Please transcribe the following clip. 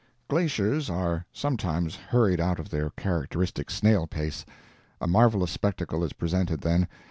Glaciers are sometimes hurried out of their characteristic snail pace. A marvelous spectacle is presented then.